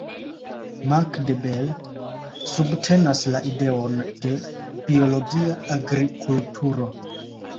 Marc De Bel subtenas la ideon de biologia agrikulturo.